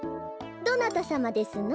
どなたさまですの？